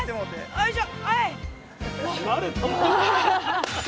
よいしょ！